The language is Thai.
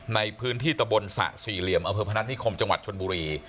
ในพื้นที่ตะบนสระ๔เหลี่ยมอพนิคมจังหวัดชนบุรี